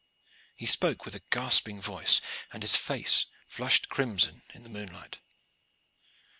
He spoke with a gasping voice, and his face flushed crimson in the moonlight.